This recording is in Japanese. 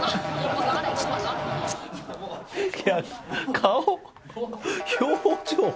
顔、表情。